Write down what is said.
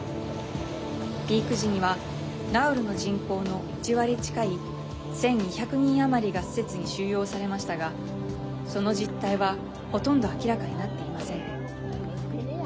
ピーク時にはナウルの人口の１割近い１２００人余りが施設に収容されましたがその実態はほとんど明らかになっていません。